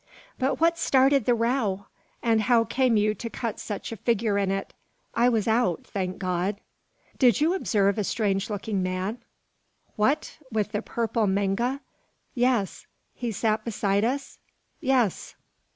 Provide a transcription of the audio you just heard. "But what started the row? and how came you to cut such a figure in it? I was out, thank God!" "Did you observe a strange looking man?" "What! with the purple manga?" "Yes." "He sat beside us?" "Yes."